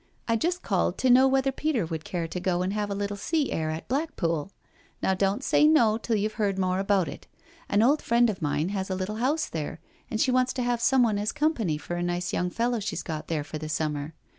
I just called to know whether Peter would care to go and have a little sea air at Blackpool? — Now don't say no till youVe heard more about it. 'An old friend of mine has a little house there, and she wants to have someone as company for a nice young fellow she's got there for the summer.